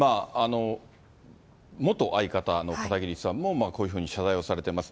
元相方の片桐さんも、こういうふうに謝罪をされてます。